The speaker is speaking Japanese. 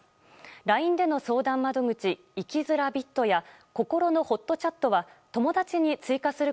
ＬＩＮＥでの相談窓口生きづらびっとやこころのほっとチャットは友達に追加する